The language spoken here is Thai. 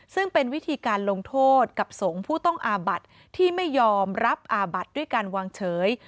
ซึ่งเป็นวิธีการลงโทษกับสงฆ์ผู้ต้องอาบัติที่ไม่ยอมรับอาบัดด้วยการวางเฉย